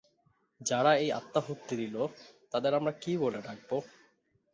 যারা এই আত্মাহুতি দিলো তাদের আমরা কী বলে ডাকবো?